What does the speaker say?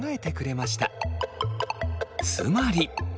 つまり。